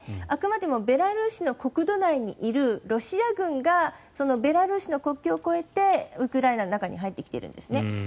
あくまでもベラルーシの国土内にいるロシア軍がベラルーシの国境を越えてウクライナの中に入ってきているんですね。